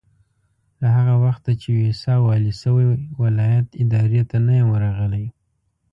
له هغه وخته چې ويساء والي شوی ولایت ادارې ته نه یم ورغلی.